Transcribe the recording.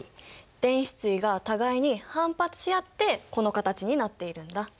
電子対が互いに反発し合ってこの形になっているんだ。